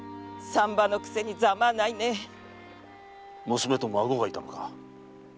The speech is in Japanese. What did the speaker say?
娘と孫がいたのか。